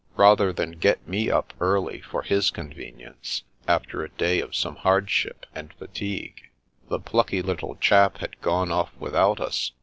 Rather than get me up early, for his convenience, after a day of some hardship and fatigue, the plucky little chap had gone off without us.